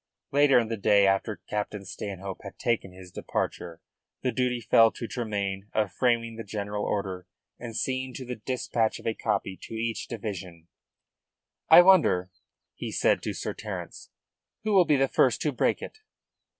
Later in the day, after Captain Stanhope had taken his departure, the duty fell to Tremayne of framing the general order and seeing to the dispatch of a copy to each division. "I wonder," he said to Sir Terence, "who will be the first to break it?"